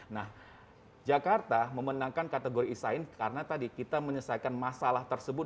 nah jakarta memenangkan kategori e sign karena tadi kita menyelesaikan masalah tersebut